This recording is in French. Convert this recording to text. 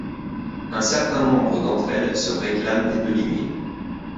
Un certain nombre d'entre elles se réclament des deux lignées.